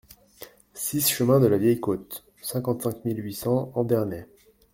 six chemin de la Vieille Côte, cinquante-cinq mille huit cents Andernay